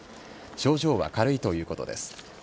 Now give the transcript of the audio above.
症状は軽いということです。